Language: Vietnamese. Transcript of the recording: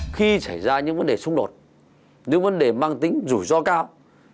khi xảy ra những vấn đề xung đột những vấn đề mang tính rủi ro cao